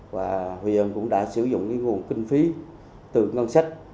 và huyện cũng đã sử dụng nguồn kinh phí từ ngân sách